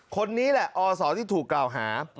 คนนี้แหละอศที่ถูกกล่าวหา